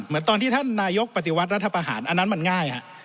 เหมือนตอนที่ท่านนายกปฏิวัตรรัฐพาหารอันนั้นมันง่ายครับ